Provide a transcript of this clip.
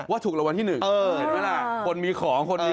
ว่าถูกระวังที่หนึ่งเห็นไหมล่ะคนมีของ